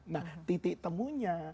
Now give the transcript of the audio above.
nah titik temunya